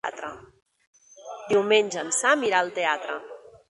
Diumenge en Sam irà al teatre.